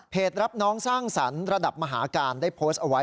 รับน้องสร้างสรรค์ระดับมหาการได้โพสต์เอาไว้